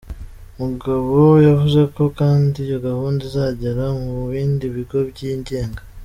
Mugabo yavuze ko kandi iyo gahunda izagera no mu bindi bigo byigenga.